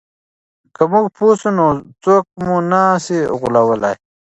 که موږ پوه سو نو څوک مو نه سي غولولای.